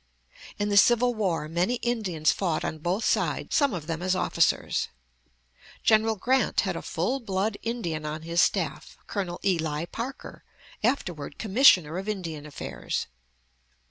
In the Civil War many Indians fought on both sides, some of them as officers. General Grant had a full blood Indian on his staff: Col. Ely Parker, afterward Commissioner of Indian Affairs.